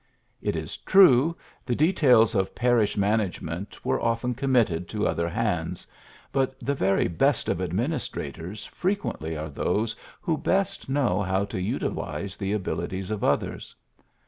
It is true, the details of parish management were often committed to other hands; but the very best of administrators fre quently are those who best know how to utilize the abilities of others.